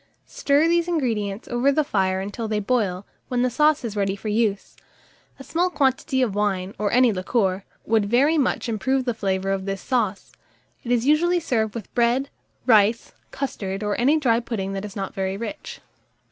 Stir these ingredients over the fire until they boil, when the sauce is ready for use. A small quantity of wine, or any liqueur, would very much improve the flavour of this sauce: it is usually served with bread, rice, custard, or any dry pudding that is not very rich.